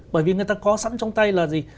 bởi vì người ta có sẵn trong tay là gì